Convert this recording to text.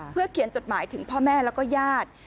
เพื่อเขียนจดหมายถึงพ่อแม่แล้วก็ญาติ